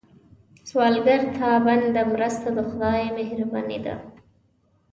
سوالګر ته بنده مرسته، د خدای مهرباني ده